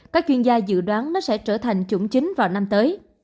các chuyên gia dự đoán nó sẽ trở thành chủng chính vào năm tới